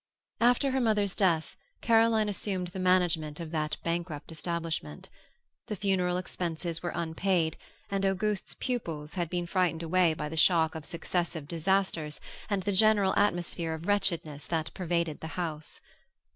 After her mother's death Caroline assumed the management of that bankrupt establishment. The funeral expenses were unpaid, and Auguste's pupils had been frightened away by the shock of successive disasters and the general atmosphere of wretchedness that pervaded the house.